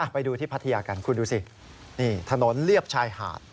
ไปดูที่พัทยากันคุณดูสินี่ถนนเลียบชายหาด